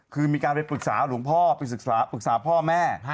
คือมีการไปปรึกษาหลวงพ่อไปปรึกษาพ่อแม่